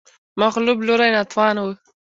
مغلوب لوری ناتوان و